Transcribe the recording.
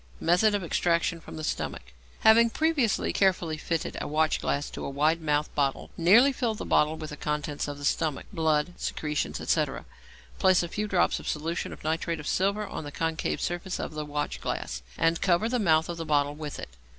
Method of Extraction from the Stomach. Having previously carefully fitted a watchglass to a wide mouthed bottle, nearly fill the bottle with the contents of the stomach, blood, secretions, etc. Place a few drops of a solution of nitrate of silver on the concave surface of the watchglass, and cover the mouth of the bottle with it.